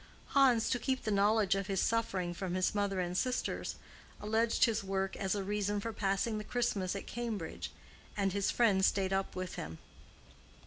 Hans, to keep the knowledge of his suffering from his mother and sisters, alleged his work as a reason for passing the Christmas at Cambridge, and his friend stayed up with him.